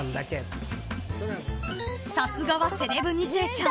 ［さすがはセレブ２世ちゃん］